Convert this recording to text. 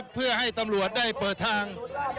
เพื่อให้ตำรวจได้เปิดทาง